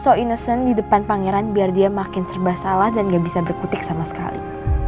so ineson di depan pangeran biar dia makin serba salah dan gak bisa berkutik sama sekali